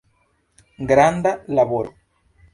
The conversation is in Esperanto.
Granda laboro.